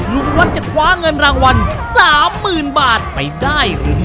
วัดจะคว้าเงินรางวัล๓๐๐๐บาทไปได้หรือไม่